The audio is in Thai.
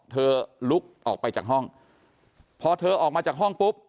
ลุกออกไปจากห้องพอเธอออกมาจากห้องปุ๊บ